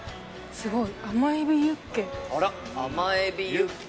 すごい甘えびユッケ。